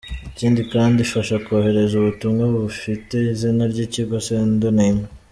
Ikindi kandi ifasha kohereza ubutumwa bufite izina ry’Ikigo “Sender name”.